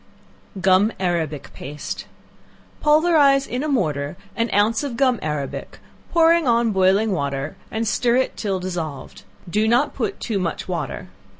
Gum Arabic Paste. Pulverize in a mortar an ounce of gum arabic, pour on boiling water and stir it till dissolved; do not put too much water.